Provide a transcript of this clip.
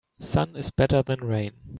Sun is better than rain.